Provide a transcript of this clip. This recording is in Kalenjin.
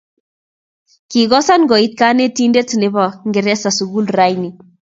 Kikosan koitu konetinte ne bo ngereza sukul raoni.